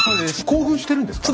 興奮してるんですか？